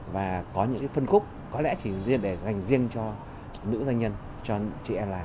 và có những cái phân khúc có lẽ chỉ riêng để dành riêng cho nữ doanh nhân cho chị em là